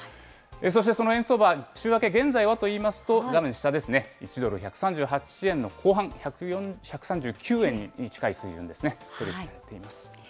そしてその円相場、週明け、現在はといいますと、画面下ですね、１ドル１３８円後半、１３９円に近い水準ですね、取り引きされています。